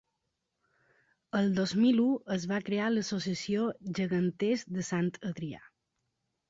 El dos mil u es va crear l'associació Geganters de Sant Adrià.